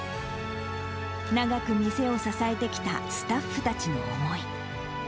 長く店を支えてきたスタッフたちの思い。